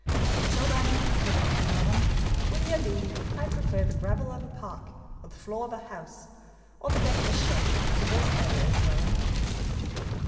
"And till then," put in Glenarvan, "with your leave, I prefer the gravel of a park, or the floor of a house, or the deck of a ship, to this aerial dwelling."